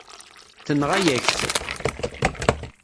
Tenɣa-yak-t.